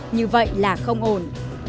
như vậy là không ổn